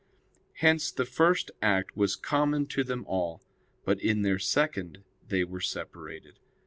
Hence the first act was common to them all; but in their second they were separated.